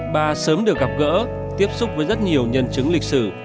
bà sớm được gặp gỡ tiếp xúc với rất nhiều nhân chứng lịch sử